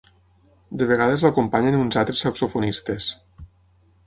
De vegades l’acompanyen uns altres saxofonistes.